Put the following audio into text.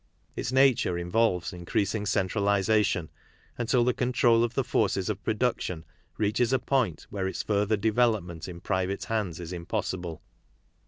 Its nature involves increasing centralization, until the control of the forces of production reaches a point where its further develop ment in private hands is impossible.